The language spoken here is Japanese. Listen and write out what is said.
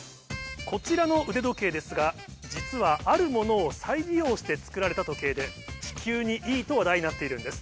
こちらの腕時計ですが実はあるものを再利用して作られた時計で地球にいいと話題になっているんです。